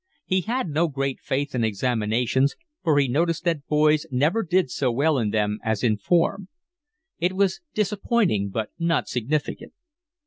He had no great faith in examinations, for he noticed that boys never did so well in them as in form: it was disappointing, but not significant.